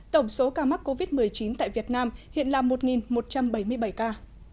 tổng số ca mắc covid một mươi chín tại việt nam hiện là một một trăm bảy mươi bảy ca